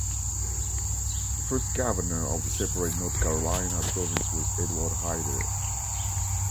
The first Governor of the separate North Carolina Province was Edward Hyde.